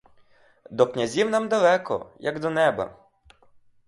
До князів нам далеко, як до неба.